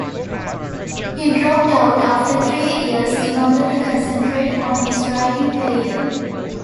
He dropped out after three years in order to concentrate on his writing career.